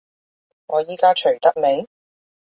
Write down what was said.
我依家除得未？